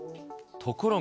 ところが。